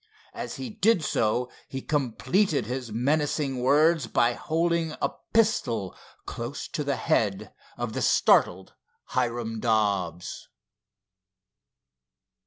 As he did so, he completed his menacing words by holding a pistol close to the head of the startled Hiram Dobbs.